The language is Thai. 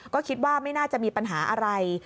ก็คิดว่าไม่น่าจะมีปัญหาอะไร